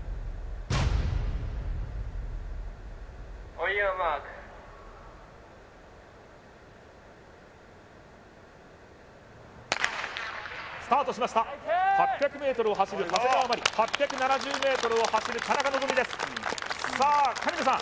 Ｏｎｙｏｕｒｍａｒｋスタートしました８００ｍを走る長谷川真理８７０ｍを走る田中希実ですさあ神野さん